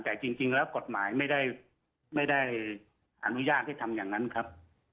แต่จริงแล้วกฎหมายไม่ได้อนุญาตให้ทำอย่างนั้นครับ